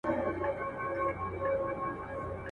څه د خانانو، عزیزانو څه دربار مېلمانه.